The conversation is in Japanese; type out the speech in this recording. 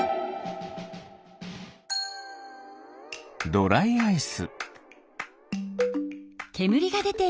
ドライアイス。